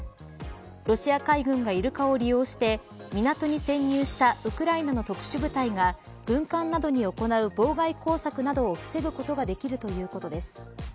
ロシア海軍がイルカを利用して港に潜入したウクライナの特殊部隊が軍艦などに行う妨害工作などを防ぐことができるということです。